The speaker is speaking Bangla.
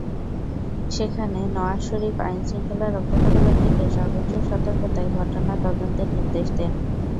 সেখানে নওয়াজ শরিফ আইন–শৃঙ্খলা রক্ষাকারী বাহিনীকে সর্বোচ্চ সতর্কতায় ঘটনা তদন্তের নির্দেশ দেন।